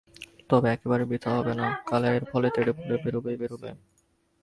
তবে একেবারে বৃথা হবে না, কালে এর ফল তেড়েফুঁড়ে বেরুবেই বেরুবে।